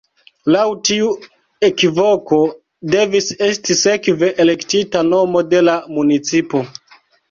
Laŭ tiu ekvoko devis esti sekve elektita nomo de la municipo.